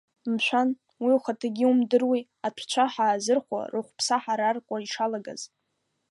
Мшәан, уи ухаҭагьы иумдыруеи, атәцәа ҳаазырхәо рыхәԥса ҳараркуа ишалагаз!